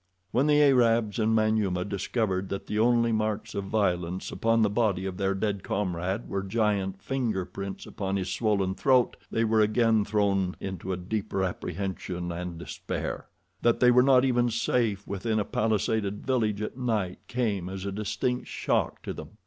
When the Arabs and Manyuema discovered that the only marks of violence upon the body of their dead comrade were giant finger prints upon his swollen throat they were again thrown into deeper apprehension and despair. That they were not even safe within a palisaded village at night came as a distinct shock to them.